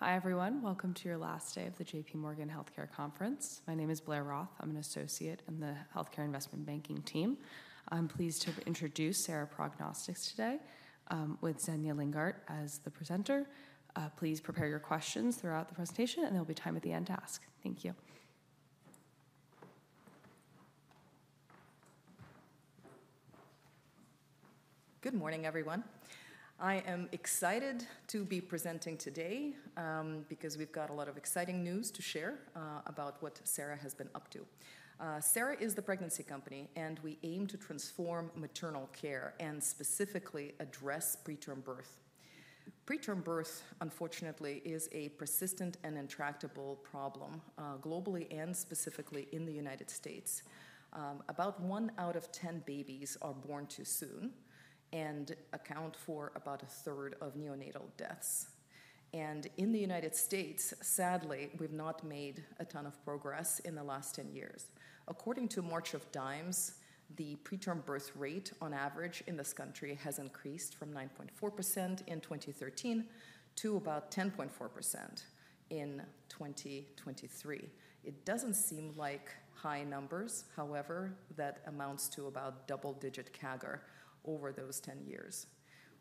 Hi everyone, welcome to your last day of the J.P. Morgan Healthcare Conference. My name is Blair Roth, I'm an associate in the Healthcare Investment Banking team. I'm pleased to introduce Sera Prognostics today with Zhenya Lindgardt as the presenter. Please prepare your questions throughout the presentation, and there will be time at the end to ask. Thank you. Good morning everyone. I am excited to be presenting today because we've got a lot of exciting news to share about what Sera has been up to. Sera is the pregnancy company, and we aim to transform maternal care and specifically address preterm birth. Preterm birth, unfortunately, is a persistent and intractable problem globally and specifically in the United States. About one out of ten babies are born too soon and account for about a third of neonatal deaths. In the United States, sadly, we've not made a ton of progress in the last ten years. According to March of Dimes, the preterm birth rate on average in this country has increased from 9.4% in 2013 to about 10.4% in 2023. It doesn't seem like high numbers. However, that amounts to about double-digit CAGR over those ten years.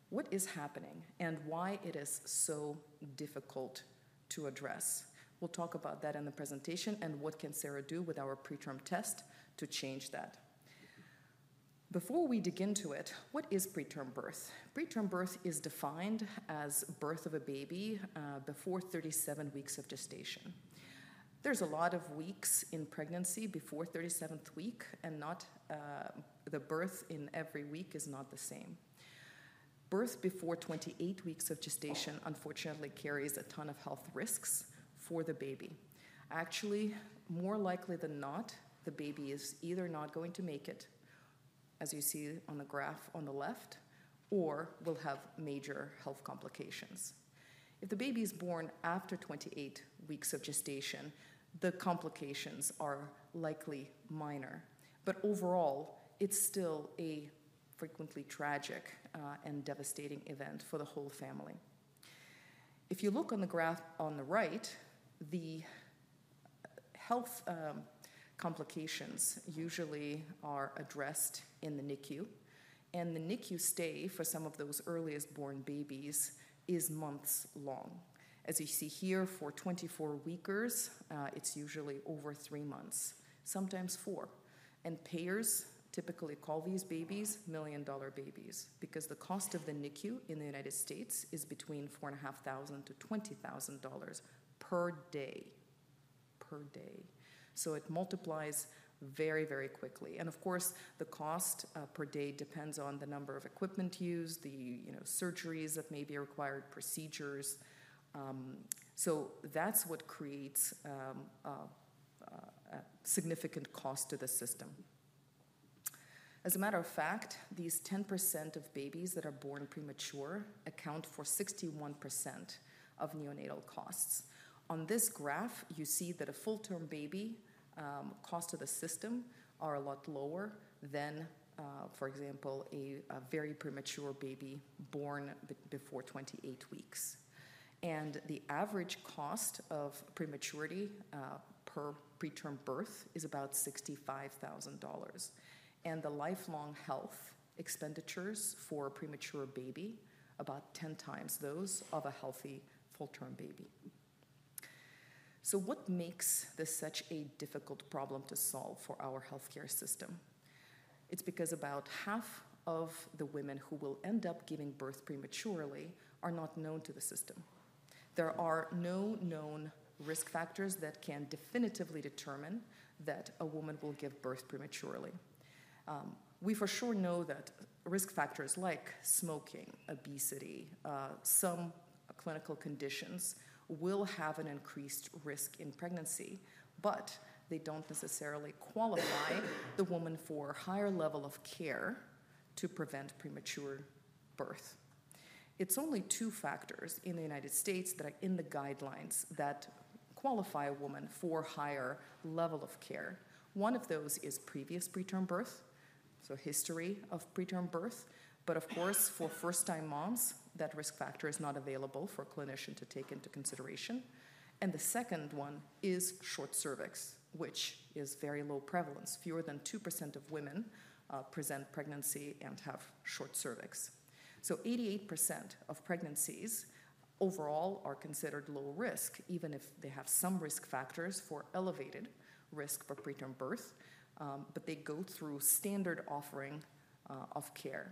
What is happening and why is it so difficult to address? We'll talk about that in the presentation and what can Sera do with our PreTRM test to change that. Before we dig into it, what is preterm birth? Preterm birth is defined as birth of a baby before 37 weeks of gestation. There's a lot of weeks in pregnancy before 37th week, and the birth in every week is not the same. Birth before 28 weeks of gestation, unfortunately, carries a ton of health risks for the baby. Actually, more likely than not, the baby is either not going to make it, as you see on the graph on the left, or will have major health complications. If the baby is born after 28 weeks of gestation, the complications are likely minor, but overall, it's still a frequently tragic and devastating event for the whole family. If you look on the graph on the right, the health complications usually are addressed in the NICU, and the NICU stay for some of those earliest born babies is months long. As you see here, for 24 weekers, it's usually over three months, sometimes four. And payers typically call these babies million-dollar babies because the cost of the NICU in the United States is between $4,500-$20,000 dollars per day. Per day. So it multiplies very, very quickly. And of course, the cost per day depends on the number of equipment used, the surgeries that may be required, procedures. So that's what creates a significant cost to the system. As a matter of fact, these 10% of babies that are born premature account for 61% of neonatal costs. On this graph, you see that a full-term baby cost to the system is a lot lower than, for example, a very premature baby born before 28 weeks, and the average cost of prematurity per preterm birth is about $65,000, and the lifelong health expenditures for a premature baby are about ten times those of a healthy full-term baby, so what makes this such a difficult problem to solve for our healthcare system? It's because about half of the women who will end up giving birth prematurely are not known to the system. There are no known risk factors that can definitively determine that a woman will give birth prematurely. We for sure know that risk factors like smoking, obesity, and some clinical conditions will have an increased risk in pregnancy, but they don't necessarily qualify the woman for a higher level of care to prevent premature birth. It's only two factors in the United States that are in the guidelines that qualify a woman for a higher level of care. One of those is previous preterm birth, so history of preterm birth. But of course, for first-time moms, that risk factor is not available for a clinician to take into consideration. And the second one is short cervix, which is very low prevalence. Fewer than 2% of women present pregnancy and have short cervix. So 88% of pregnancies overall are considered low risk, even if they have some risk factors for elevated risk for preterm birth, but they go through standard offering of care.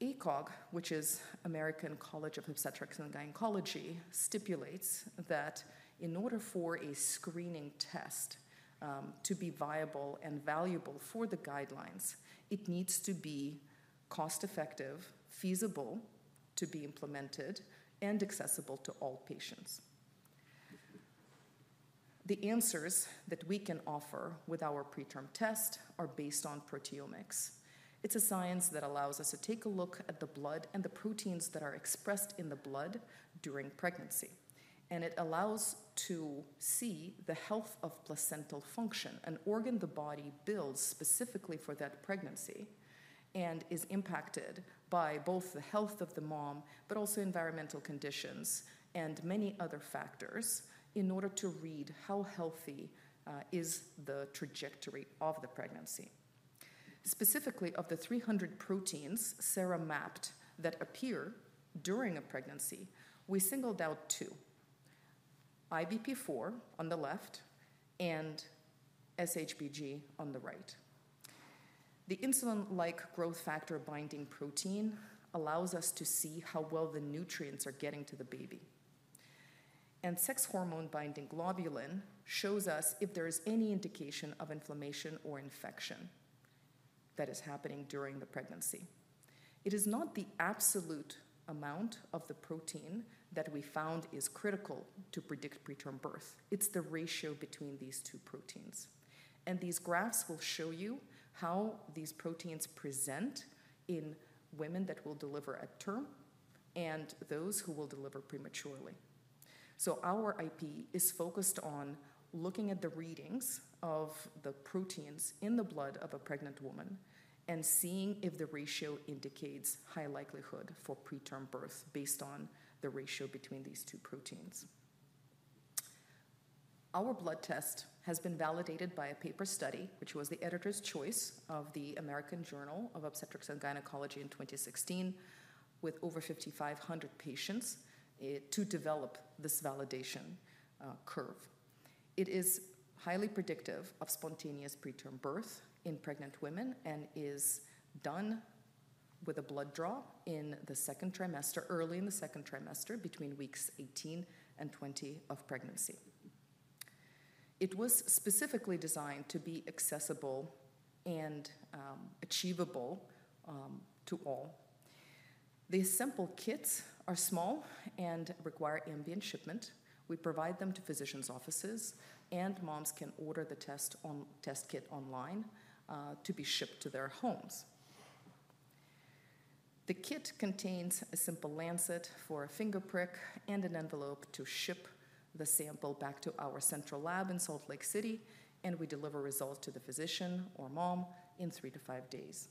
ACOG, which is American College of Obstetricians and Gynecologists, stipulates that in order for a screening test to be viable and valuable for the guidelines, it needs to be cost-effective, feasible to be implemented, and accessible to all patients. The answers that we can offer with our PreTRM test are based on proteomics. It's a science that allows us to take a look at the blood and the proteins that are expressed in the blood during pregnancy, and it allows us to see the health of placental function, an organ the body builds specifically for that pregnancy and is impacted by both the health of the mom, but also environmental conditions and many other factors in order to read how healthy the trajectory of the pregnancy is. Specifically, of the 300 proteins Sera mapped that appear during a pregnancy, we singled out two: IBP4 on the left and SHBG on the right. The insulin-like growth factor binding protein allows us to see how well the nutrients are getting to the baby. Sex hormone-binding globulin shows us if there is any indication of inflammation or infection that is happening during the pregnancy. It is not the absolute amount of the protein that we found is critical to predict preterm birth. It's the ratio between these two proteins. These graphs will show you how these proteins present in women that will deliver at term and those who will deliver prematurely. Our IP is focused on looking at the readings of the proteins in the blood of a pregnant woman and seeing if the ratio indicates high likelihood for preterm birth based on the ratio between these two proteins. Our blood test has been validated by a paper study, which was the Editor's Choice of the American Journal of Obstetrics and Gynecology in 2016, with over 5,500 patients to develop this validation curve. It is highly predictive of spontaneous preterm birth in pregnant women and is done with a blood draw in the second trimester, early in the second trimester, between weeks 18 and 20 of pregnancy. It was specifically designed to be accessible and achievable to all. The sample kits are small and require ambient shipment. We provide them to physicians' offices, and moms can order the test kit online to be shipped to their homes. The kit contains a simple lancet for a finger prick and an envelope to ship the sample back to our central lab in Salt Lake City, and we deliver results to the physician or mom in three to five days.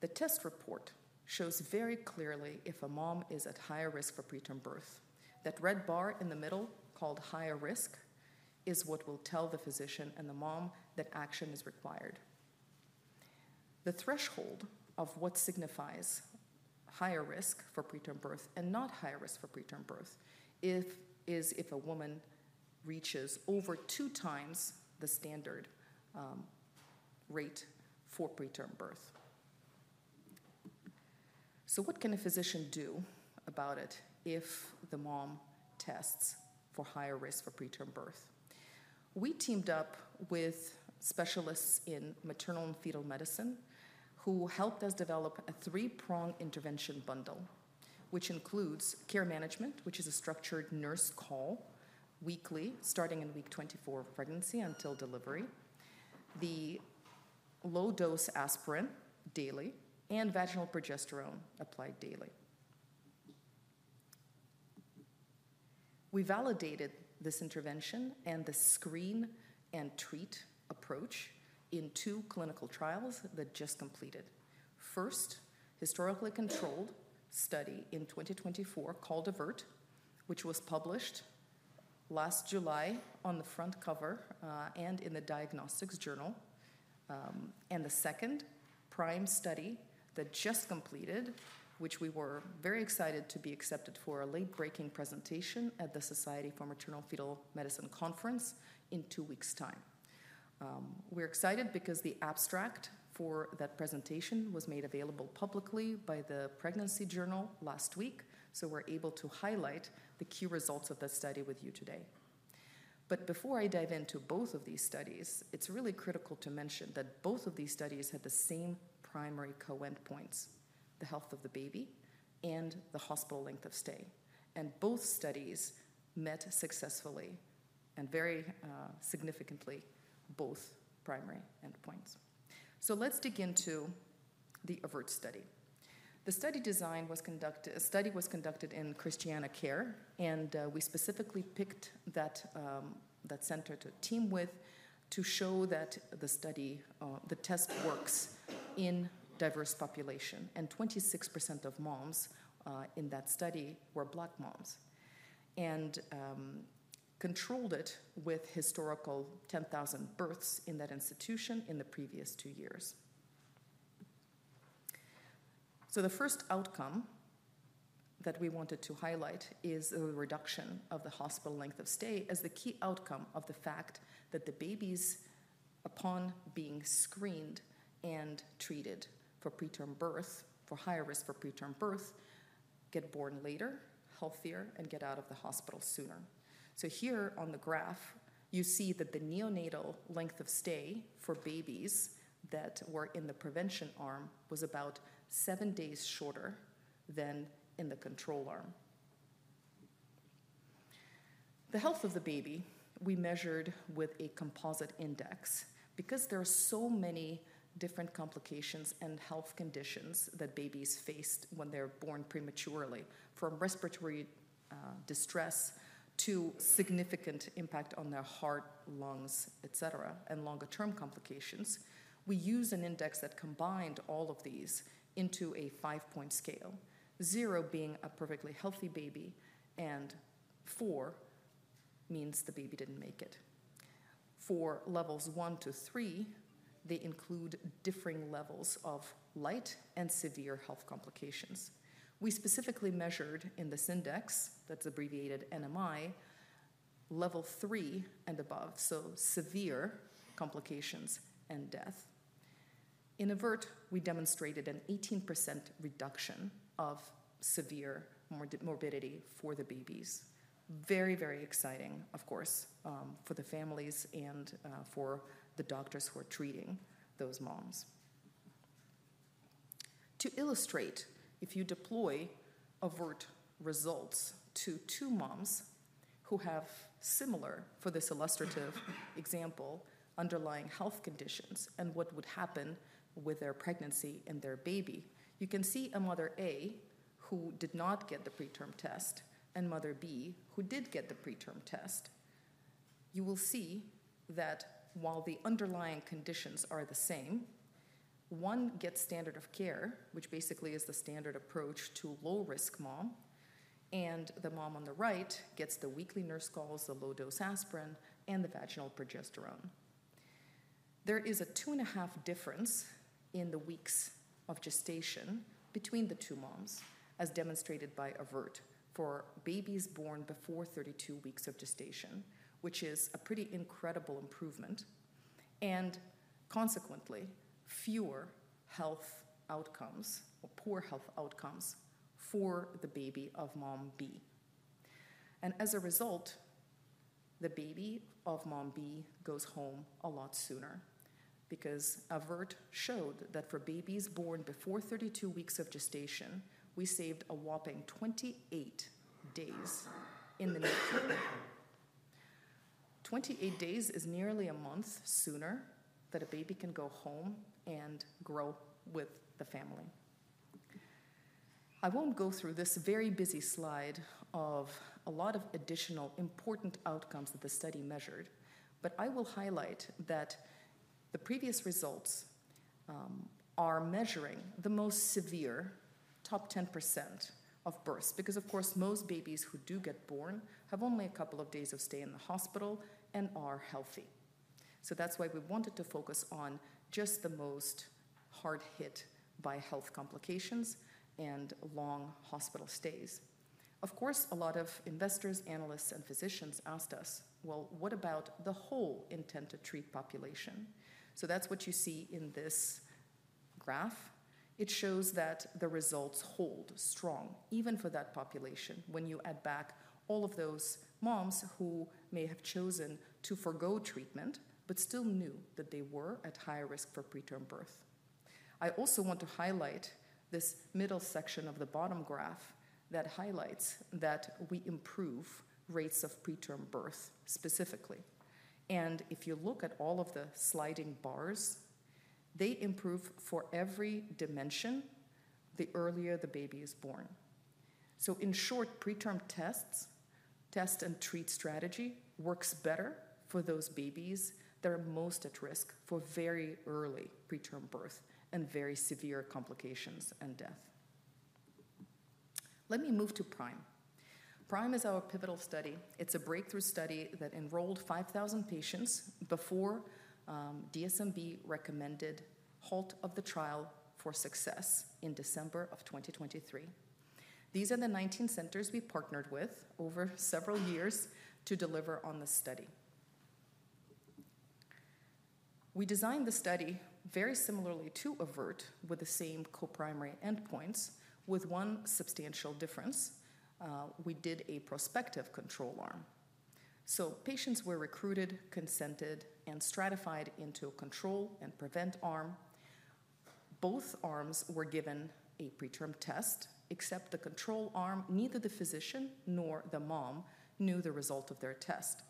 The test report shows very clearly if a mom is at higher risk for preterm birth. That red bar in the middle, called higher risk, is what will tell the physician and the mom that action is required. The threshold of what signifies higher risk for preterm birth and not higher risk for preterm birth is if a woman reaches over two times the standard rate for preterm birth. So what can a physician do about it if the mom tests for higher risk for preterm birth? We teamed up with specialists in maternal and fetal medicine who helped us develop a three-pronged intervention bundle, which includes care management, which is a structured nurse call weekly, starting in week 24 of pregnancy until delivery, the low-dose aspirin daily, and vaginal progesterone applied daily. We validated this intervention and the screen and treat approach in two clinical trials that just completed. First, a historically controlled study in 2024 called AVERT, which was published last July on the front cover and in the Diagnostics Journal, and the second, a PRIME study that just completed, which we were very excited to be accepted for a late-breaking presentation at the Society for Maternal-Fetal Medicine Conference in two weeks' time. We're excited because the abstract for that presentation was made available publicly by the Pregnancy Journal last week, so we're able to highlight the key results of that study with you today, but before I dive into both of these studies, it's really critical to mention that both of these studies had the same co-primary endpoints: the health of the baby and the hospital length of stay, and both studies met successfully and very significantly both primary endpoints, so let's dig into the AVERT study. The study was conducted in ChristianaCare, and we specifically picked that center to team with to show that the test works in diverse populations. And 26% of moms in that study were Black moms and controlled it with historical 10,000 births in that institution in the previous two years. So the first outcome that we wanted to highlight is a reduction of the hospital length of stay as the key outcome of the fact that the babies, upon being screened and treated for preterm birth, for higher risk for preterm birth, get born later, healthier, and get out of the hospital sooner. So here on the graph, you see that the neonatal length of stay for babies that were in the prevention arm was about seven days shorter than in the control arm. The health of the baby we measured with a composite index. Because there are so many different complications and health conditions that babies face when they're born prematurely, from respiratory distress to significant impact on their heart, lungs, etc., and longer-term complications, we used an index that combined all of these into a five-point scale, zero being a perfectly healthy baby and four means the baby didn't make it. For levels one to three, they include differing levels of mild and severe health complications. We specifically measured in this index, that's abbreviated NMI, level three and above, so severe complications and death. In AVERT, we demonstrated an 18% reduction of severe morbidity for the babies. Very, very exciting, of course, for the families and for the doctors who are treating those moms. To illustrate, if you deploy AVERT results to two moms who have similar, for this illustrative example, underlying health conditions and what would happen with their pregnancy and their baby, you can see a Mother A who did not get the PreTRM test and Mother B who did get the PreTRM test. You will see that while the underlying conditions are the same, one gets standard of care, which basically is the standard approach to low-risk mom, and the mom on the right gets the weekly nurse calls, the low-dose aspirin, and the vaginal progesterone. There is a two-and-a-half difference in the weeks of gestation between the two moms, as demonstrated by AVERT for babies born before 32 weeks of gestation, which is a pretty incredible improvement and consequently fewer health outcomes or poor health outcomes for the baby of Mom B. As a result, the baby of Mom B goes home a lot sooner because AVERT showed that for babies born before 32 weeks of gestation, we saved a whopping 28 days in the NICU. 28 days is nearly a month sooner than a baby can go home and grow with the family. I won't go through this very busy slide of a lot of additional important outcomes that the study measured, but I will highlight that the previous results are measuring the most severe top 10% of births, because of course, most babies who do get born have only a couple of days of stay in the hospital and are healthy. So that's why we wanted to focus on just the most hard-hit by health complications and long hospital stays. Of course, a lot of investors, analysts, and physicians asked us, well, what about the whole Intent to Treat population? So that's what you see in this graph. It shows that the results hold strong even for that population when you add back all of those moms who may have chosen to forgo treatment but still knew that they were at higher risk for preterm birth. I also want to highlight this middle section of the bottom graph that highlights that we improve rates of preterm birth specifically. And if you look at all of the sliding bars, they improve for every dimension the earlier the baby is born. So in short, PreTRM tests, test and treat strategy works better for those babies that are most at risk for very early preterm birth and very severe complications and death. Let me move to PRIME. PRIME is our pivotal study. It's a breakthrough study that enrolled 5,000 patients before DSMB recommended halt of the trial for success in December of 2023. These are the 19 centers we partnered with over several years to deliver on the study. We designed the study very similarly to AVERT with the same co-primary endpoints, with one substantial difference. We did a prospective control arm. So patients were recruited, consented, and stratified into a control and prevent arm. Both arms were given a PreTRM test, except the control arm, neither the physician nor the mom knew the result of their test.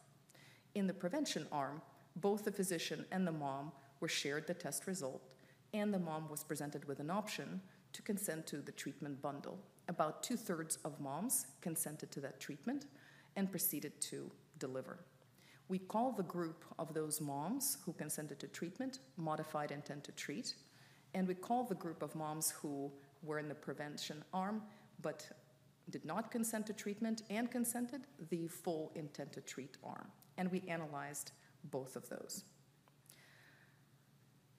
In the prevention arm, both the physician and the mom were shared the test result, and the mom was presented with an option to consent to the treatment bundle. About two-thirds of moms consented to that treatment and proceeded to deliver. We call the group of those moms who consented to treatment modified intent to treat, and we call the group of moms who were in the prevention arm but did not consent to treatment and consented the full intent to treat arm, and we analyzed both of those.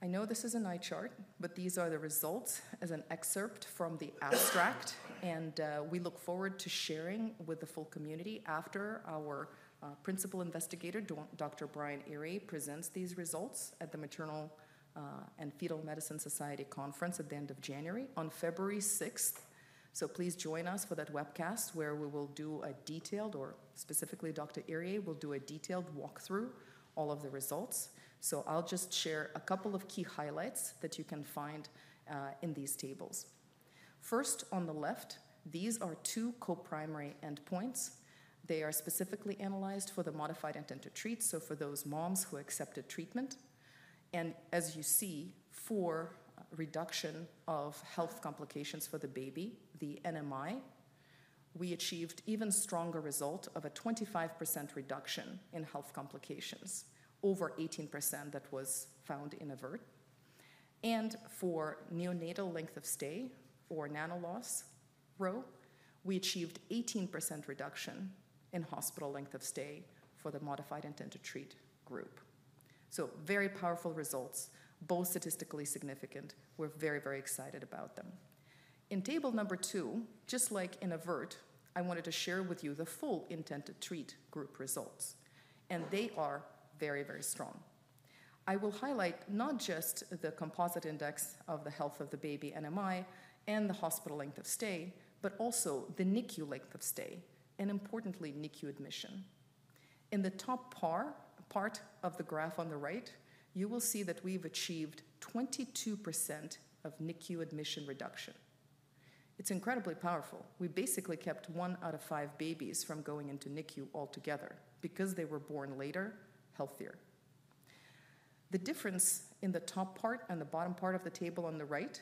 I know this is a nice chart, but these are the results as an excerpt from the abstract, and we look forward to sharing with the full community after our principal investigator, Dr. Brian Iriye, presents these results at the Society for Maternal-Fetal Medicine Conference at the end of January on February 6th, so please join us for that webcast where we will do a detailed, or specifically, Dr. Iriye will do a detailed walkthrough of all of the results, so I'll just share a couple of key highlights that you can find in these tables. First, on the left, these are two co-primary endpoints. They are specifically analyzed for the modified intent to treat, so for those moms who accepted treatment. And as you see, for reduction of health complications for the baby, the NMI, we achieved an even stronger result of a 25% reduction in health complications, over 18% that was found in AVERT. And for neonatal length of stay, or NICU LOS row, we achieved an 18% reduction in hospital length of stay for the modified intent to treat group. So very powerful results, both statistically significant. We're very, very excited about them. In table number two, just like in AVERT, I wanted to share with you the full intent to treat group results, and they are very, very strong. I will highlight not just the composite index of the health of the baby NMI and the hospital length of stay, but also the NICU length of stay, and importantly, NICU admission. In the top part of the graph on the right, you will see that we've achieved 22% of NICU admission reduction. It's incredibly powerful. We basically kept one out of five babies from going into NICU altogether because they were born later, healthier. The difference in the top part and the bottom part of the table on the right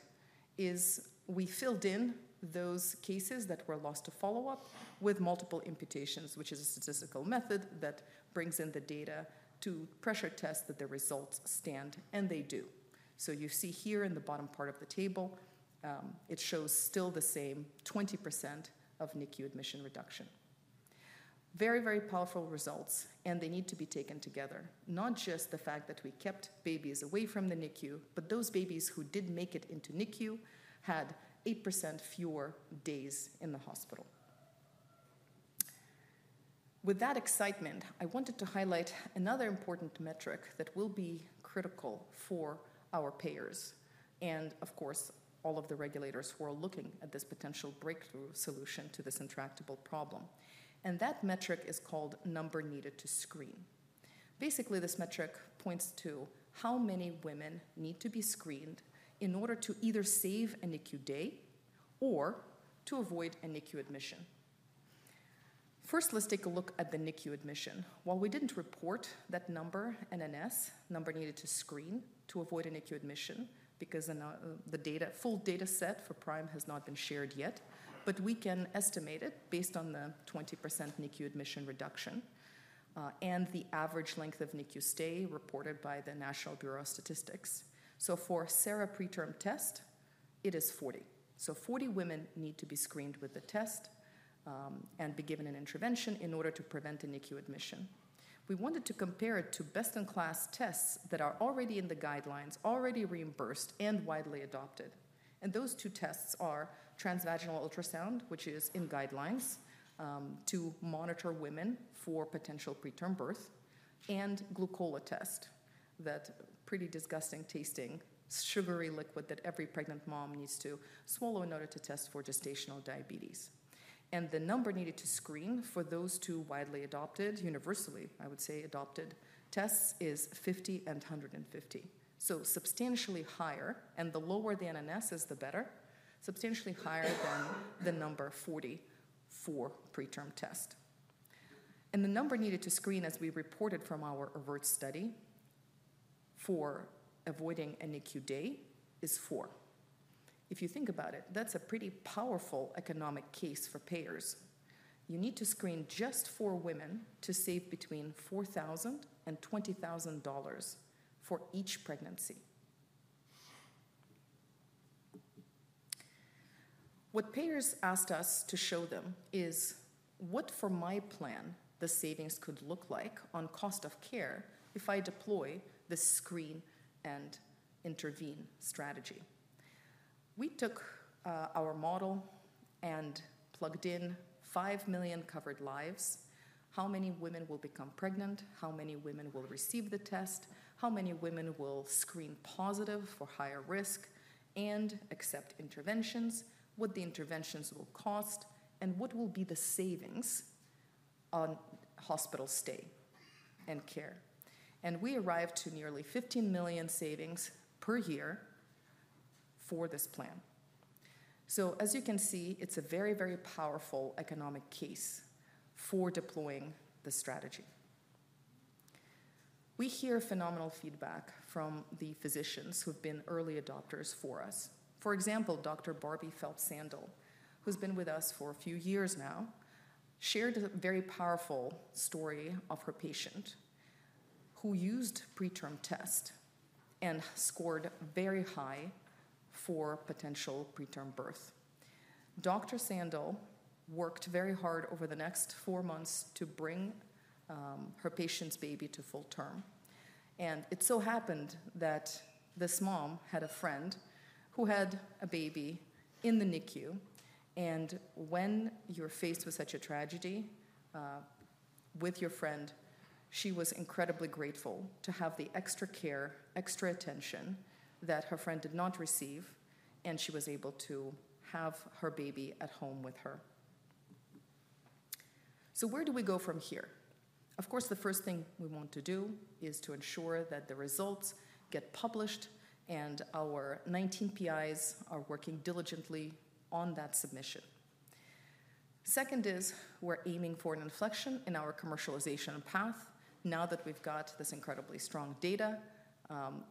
is we filled in those cases that were lost to follow-up with multiple imputations, which is a statistical method that brings in the data to pressure test that the results stand, and they do. So you see here in the bottom part of the table, it shows still the same 20% of NICU admission reduction. Very, very powerful results, and they need to be taken together, not just the fact that we kept babies away from the NICU, but those babies who did make it into NICU had 8% fewer days in the hospital. With that excitement, I wanted to highlight another important metric that will be critical for our payers and, of course, all of the regulators who are looking at this potential breakthrough solution to this intractable problem. And that metric is called number needed to screen. Basically, this metric points to how many women need to be screened in order to either save a NICU day or to avoid a NICU admission. First, let's take a look at the NICU admission. While we didn't report that number, NNS, number needed to screen to avoid a NICU admission, because the full data set for PRIME has not been shared yet, but we can estimate it based on the 20% NICU admission reduction and the average length of NICU stay reported by the National Bureau of Statistics. So for Sera PreTRM test, it is 40. So 40 women need to be screened with the test and be given an intervention in order to prevent a NICU admission. We wanted to compare it to best-in-class tests that are already in the guidelines, already reimbursed and widely adopted. And those two tests are transvaginal ultrasound, which is in guidelines to monitor women for potential preterm birth, and Glucola test, that pretty disgusting tasting sugary liquid that every pregnant mom needs to swallow in order to test for gestational diabetes. The number needed to screen for those two widely adopted, universally, I would say, adopted tests is 50 and 150. So substantially higher, and the lower the NNS is, the better, substantially higher than the number 40 for PreTRM test. The number needed to screen, as we reported from our AVERT study for avoiding a NICU day, is four. If you think about it, that's a pretty powerful economic case for payers. You need to screen just four women to save between $4,000 and $20,000 for each pregnancy. What payers asked us to show them is what, for my plan, the savings could look like on cost of care if I deploy the screen and intervene strategy. We took our model and plugged in five million covered lives. How many women will become pregnant? How many women will receive the test? How many women will screen positive for higher risk and accept interventions? What the interventions will cost and what will be the savings on hospital stay and care? And we arrived to nearly $15 million savings per year for this plan. So as you can see, it's a very, very powerful economic case for deploying the strategy. We hear phenomenal feedback from the physicians who have been early adopters for us. For example, Dr. Barbie Phelps-Sandall, who's been with us for a few years now, shared a very powerful story of her patient who used PreTRM test and scored very high for potential preterm birth. Dr. Sandall worked very hard over the next four months to bring her patient's baby to full term. And it so happened that this mom had a friend who had a baby in the NICU. When you're faced with such a tragedy with your friend, she was incredibly grateful to have the extra care, extra attention that her friend did not receive, and she was able to have her baby at home with her. Where do we go from here? Of course, the first thing we want to do is to ensure that the results get published and our 19 PIs are working diligently on that submission. Second is we're aiming for an inflection in our commercialization path. Now that we've got this incredibly strong data,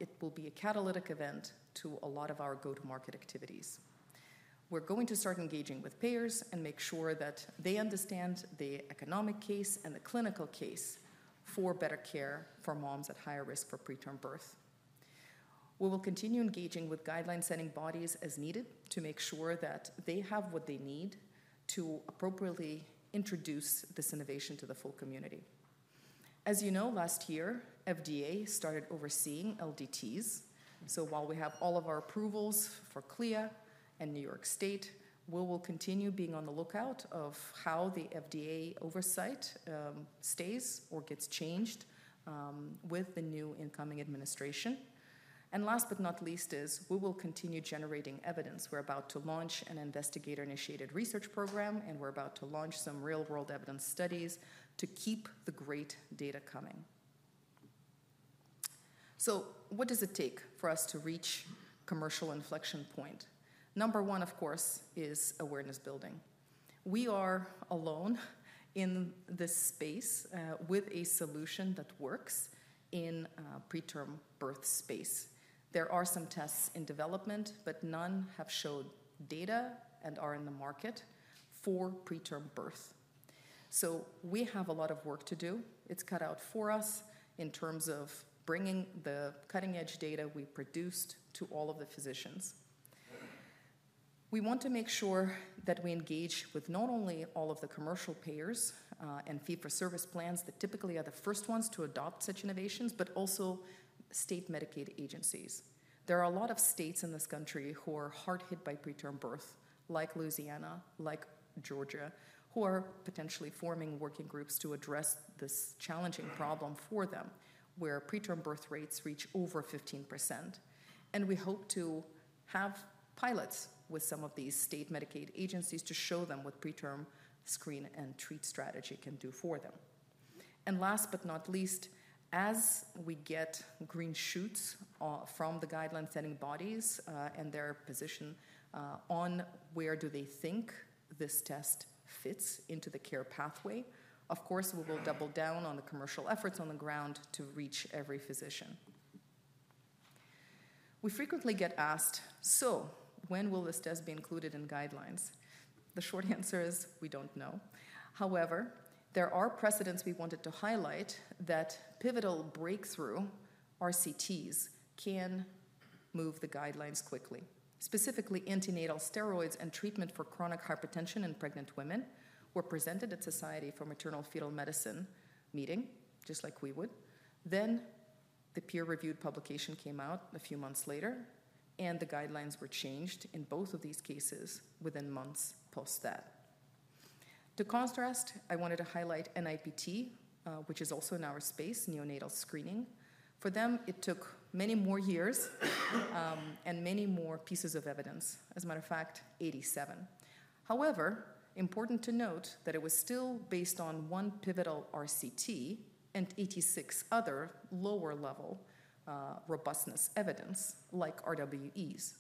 it will be a catalytic event to a lot of our go-to-market activities. We're going to start engaging with payers and make sure that they understand the economic case and the clinical case for better care for moms at higher risk for preterm birth. We will continue engaging with guideline-setting bodies as needed to make sure that they have what they need to appropriately introduce this innovation to the full community. As you know, last year, FDA started overseeing LDTs. So while we have all of our approvals for CLIA and New York State, we will continue being on the lookout of how the FDA oversight stays or gets changed with the new incoming administration. And last but not least is we will continue generating evidence. We're about to launch an investigator-initiated research program, and we're about to launch some real-world evidence studies to keep the great data coming. So what does it take for us to reach commercial inflection point? Number one, of course, is awareness building. We are alone in this space with a solution that works in preterm birth space. There are some tests in development, but none have showed data and are in the market for preterm birth. So we have a lot of work to do. It's cut out for us in terms of bringing the cutting-edge data we produced to all of the physicians. We want to make sure that we engage with not only all of the commercial payers and fee-for-service plans that typically are the first ones to adopt such innovations, but also state Medicaid agencies. There are a lot of states in this country who are hard hit by preterm birth, like Louisiana, like Georgia, who are potentially forming working groups to address this challenging problem for them where preterm birth rates reach over 15%. And we hope to have pilots with some of these state Medicaid agencies to show them what preterm screen and treat strategy can do for them. Last but not least, as we get green shoots from the guideline-setting bodies and their position on where do they think this test fits into the care pathway, of course, we will double down on the commercial efforts on the ground to reach every physician. We frequently get asked, "So when will this test be included in guidelines?" The short answer is we don't know. However, there are precedents we wanted to highlight that pivotal breakthrough RCTs can move the guidelines quickly. Specifically, antenatal steroids and treatment for chronic hypertension in pregnant women were presented at Society for Maternal-Fetal Medicine meeting, just like we would. Then the peer-reviewed publication came out a few months later, and the guidelines were changed in both of these cases within months post that. To contrast, I wanted to highlight NIPT, which is also in our space, neonatal screening. For them, it took many more years and many more pieces of evidence. As a matter of fact, 87. However, important to note that it was still based on one pivotal RCT and 86 other lower-level robustness evidence like RWEs.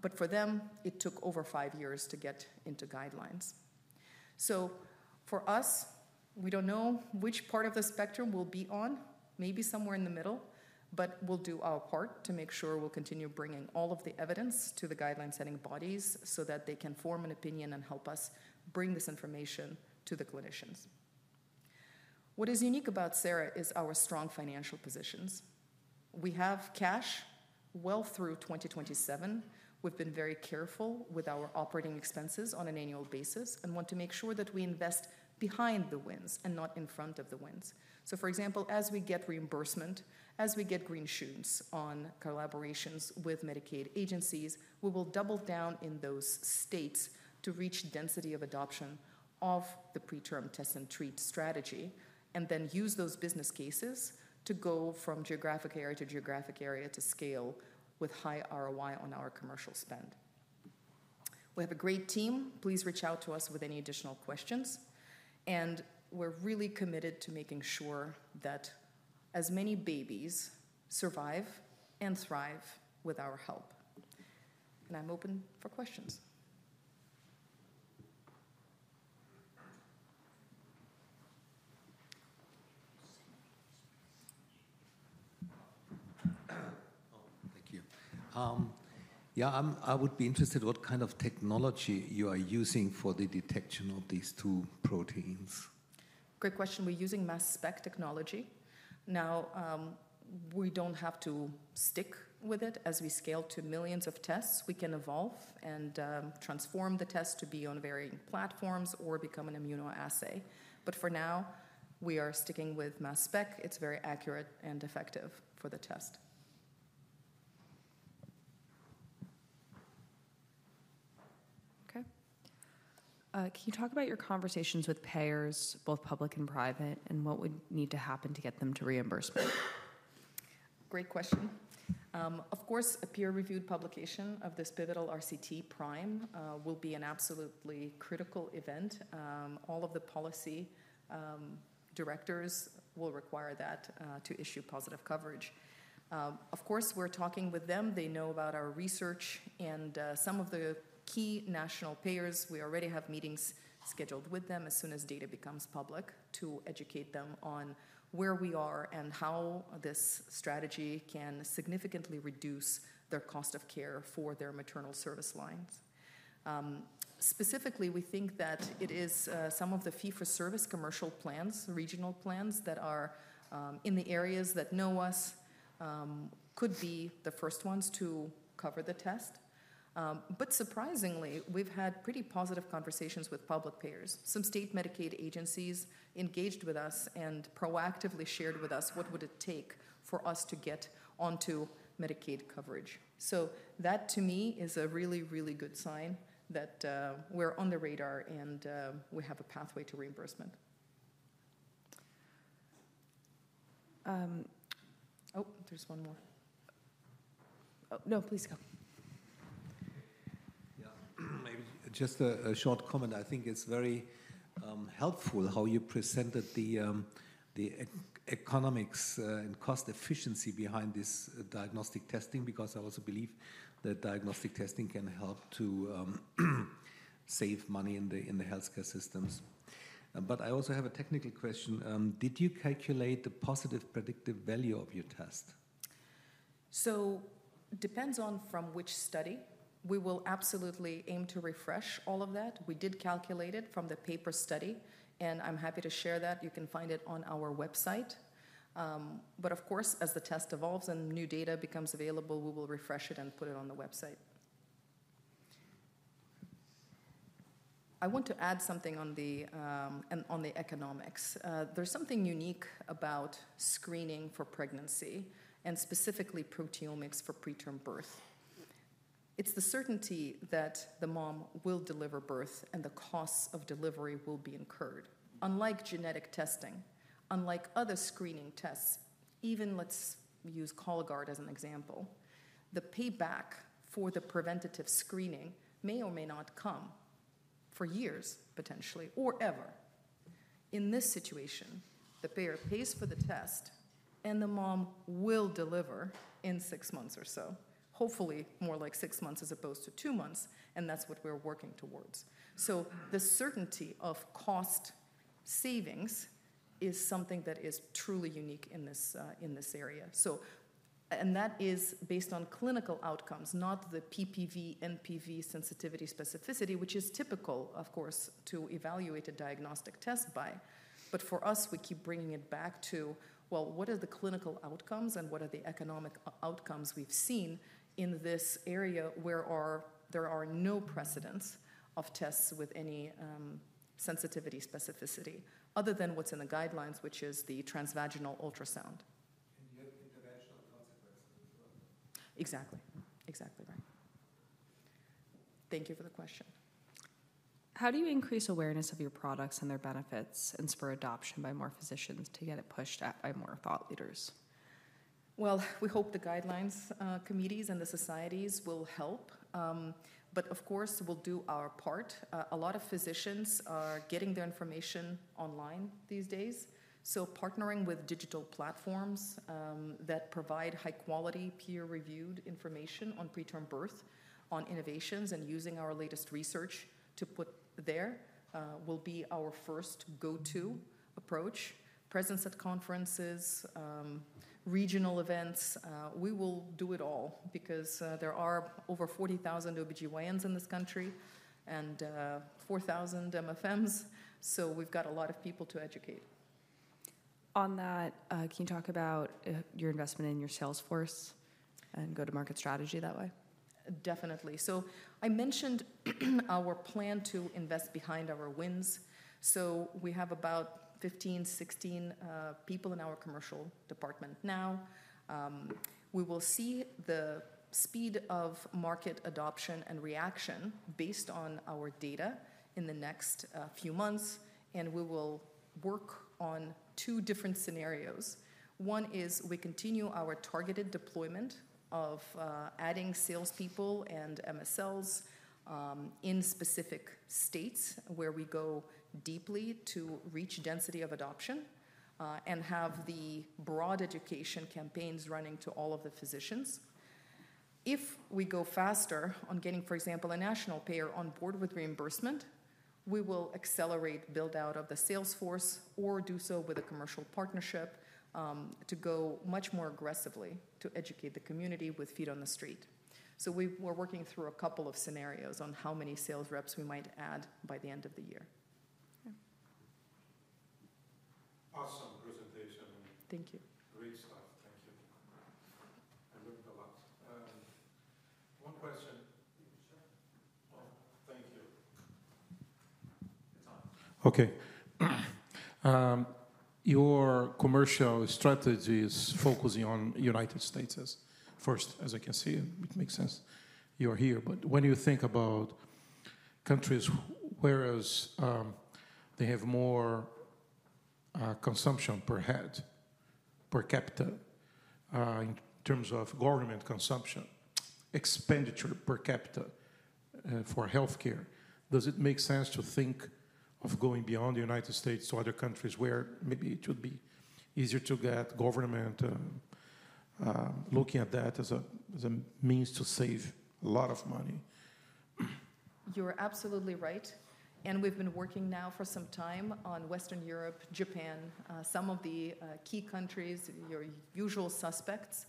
But for them, it took over five years to get into guidelines. So for us, we don't know which part of the spectrum we'll be on, maybe somewhere in the middle, but we'll do our part to make sure we'll continue bringing all of the evidence to the guideline-setting bodies so that they can form an opinion and help us bring this information to the clinicians. What is unique about Sera is our strong financial positions. We have cash well through 2027. We've been very careful with our operating expenses on an annual basis and want to make sure that we invest behind the wins and not in front of the wins. So for example, as we get reimbursement, as we get green shoots on collaborations with Medicaid agencies, we will double down in those states to reach density of adoption of the PreTRM test and treat strategy and then use those business cases to go from geographic area to geographic area to scale with high ROI on our commercial spend. We have a great team. Please reach out to us with any additional questions. And we're really committed to making sure that as many babies survive and thrive with our help. And I'm open for questions. Oh, thank you. Yeah, I would be interested in what kind of technology you are using for the detection of these two proteins. Great question. We're using mass spec technology. Now, we don't have to stick with it. As we scale to millions of tests, we can evolve and transform the test to be on varying platforms or become an immunoassay. But for now, we are sticking with mass spec. It's very accurate and effective for the test. Okay. Can you talk about your conversations with payers, both public and private, and what would need to happen to get them to reimbursement? Great question. Of course, a peer-reviewed publication of this pivotal RCT PRIME will be an absolutely critical event. All of the policy directors will require that to issue positive coverage. Of course, we're talking with them. They know about our research and some of the key national payers. We already have meetings scheduled with them as soon as data becomes public to educate them on where we are and how this strategy can significantly reduce their cost of care for their maternal service lines. Specifically, we think that it is some of the fee-for-service commercial plans, regional plans that are in the areas that know us, could be the first ones to cover the test. But surprisingly, we've had pretty positive conversations with public payers. Some state Medicaid agencies engaged with us and proactively shared with us what would it take for us to get onto Medicaid coverage. So that, to me, is a really, really good sign that we're on the radar and we have a pathway to reimbursement. Oh, there's one more. Oh, no, please go. Yeah, maybe just a short comment. I think it's very helpful how you presented the economics and cost efficiency behind this diagnostic testing because I also believe that diagnostic testing can help to save money in the healthcare systems. But I also have a technical question. Did you calculate the positive predictive value of your test? So it depends on from which study. We will absolutely aim to refresh all of that. We did calculate it from the paper study, and I'm happy to share that. You can find it on our website. But of course, as the test evolves and new data becomes available, we will refresh it and put it on the website. I want to add something on the economics. There's something unique about screening for pregnancy and specifically proteomics for preterm birth. It's the certainty that the mom will deliver birth and the costs of delivery will be incurred. Unlike genetic testing, unlike other screening tests, even let's use Cologuard as an example, the payback for the preventative screening may or may not come for years, potentially, or ever. In this situation, the payer pays for the test and the mom will deliver in six months or so, hopefully more like six months as opposed to two months, and that's what we're working towards. So the certainty of cost savings is something that is truly unique in this area. And that is based on clinical outcomes, not the PPV, NPV, sensitivity, specificity, which is typical, of course, to evaluate a diagnostic test by. But for us, we keep bringing it back to, well, what are the clinical outcomes and what are the economic outcomes we've seen in this area where there are no precedents of tests with any sensitivity, specificity other than what's in the guidelines, which is the transvaginal ultrasound. And you have interventional consequences as well. Exactly. Exactly right. Thank you for the question. How do you increase awareness of your products and their benefits and spur adoption by more physicians to get it pushed out by more thought leaders? Well, we hope the guidelines committees and the societies will help. But of course, we'll do our part. A lot of physicians are getting their information online these days. So partnering with digital platforms that provide high-quality peer-reviewed information on preterm birth, on innovations, and using our latest research to put there will be our first go-to approach. Presence at conferences, regional events, we will do it all because there are over 40,000 OBGYNs in this country and 4,000 MFMs. So we've got a lot of people to educate. On that, can you talk about your investment in your sales force and go-to-market strategy that way? Definitely. So I mentioned our plan to invest behind our wins. So we have about 15, 16 people in our commercial department now. We will see the speed of market adoption and reaction based on our data in the next few months, and we will work on two different scenarios. One is we continue our targeted deployment of adding salespeople and MSLs in specific states where we go deeply to reach density of adoption and have the broad education campaigns running to all of the physicians. If we go faster on getting, for example, a national payer on board with reimbursement, we will accelerate build-out of the sales force or do so with a commercial partnership to go much more aggressively to educate the community with feet on the street. So we were working through a couple of scenarios on how many sales reps we might add by the end of the year. Awesome presentation. Thank you. Great stuff. Thank you. I learned a lot. One question. Thank you. Okay. Your commercial strategy is focusing on United States first, as I can see. It makes sense you're here. But when you think about countries where, as they have more consumption per head per capita in terms of government consumption, expenditure per capita for healthcare, does it make sense to think of going beyond the United States to other countries where maybe it would be easier to get government looking at that as a means to save a lot of money? You're absolutely right. We've been working now for some time on Western Europe, Japan, some of the key countries, your usual suspects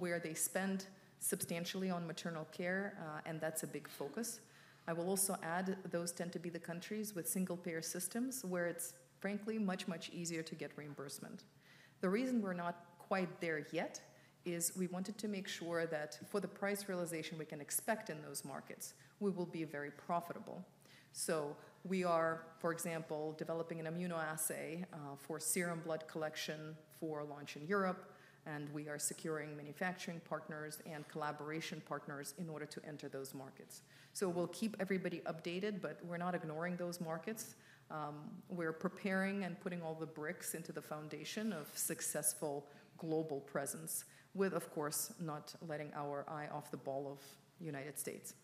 where they spend substantially on maternal care, and that's a big focus. I will also add those tend to be the countries with single payer systems where it's frankly much, much easier to get reimbursement. The reason we're not quite there yet is we wanted to make sure that for the price realization we can expect in those markets, we will be very profitable. So we are, for example, developing an immunoassay for serum blood collection for launch in Europe, and we are securing manufacturing partners and collaboration partners in order to enter those markets. So we'll keep everybody updated, but we're not ignoring those markets. We're preparing and putting all the bricks into the foundation of successful global presence with, of course, not letting our eye off the ball of United States.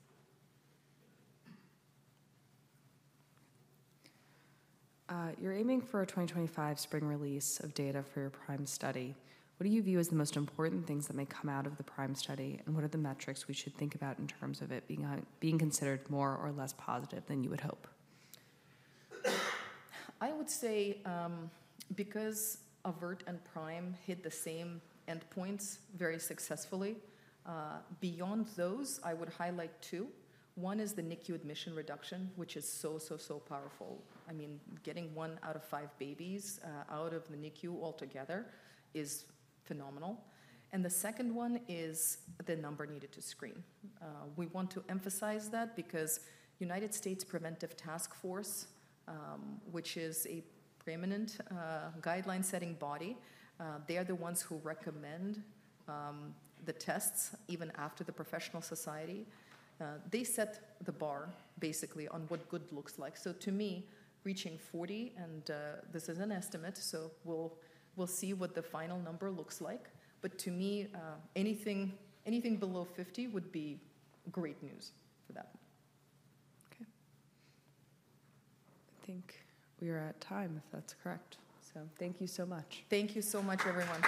You're aiming for a 2025 spring release of data for your PRIME study. What do you view as the most important things that may come out of the PRIME study, and what are the metrics we should think about in terms of it being considered more or less positive than you would hope? I would say because AVERT and PRIME hit the same endpoints very successfully, beyond those, I would highlight two. One is the NICU admission reduction, which is so, so, so powerful. I mean, getting one out of five babies out of the NICU altogether is phenomenal, and the second one is the number needed to screen. We want to emphasize that because United States Preventive Services Task Force, which is a preeminent guideline-setting body, they are the ones who recommend the tests even after the professional society. They set the bar basically on what good looks like, so to me, reaching 40, and this is an estimate, so we'll see what the final number looks like. But to me, anything below 50 would be great news for that. Okay. I think we are at time, if that's correct, so thank you so much. Thank you so much, everyone.